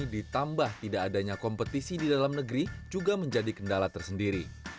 ditambah tidak adanya kompetisi di dalam negeri juga menjadi kendala tersendiri